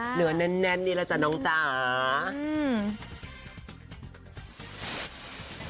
เหนือแน่นแน่นนี่แหละจ้ะน้องจ๋าอืม